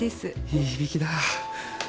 いい響きだ。